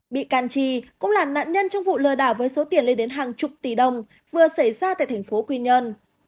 bị can chi cũng là nạn nhân trong vụ lừa đảo với số tiền lên đến hàng chục tỷ đồng vừa xảy ra tại thành phố quy nhơn